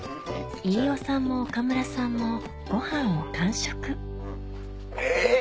飯尾さんも岡村さんもご飯を完食えっ！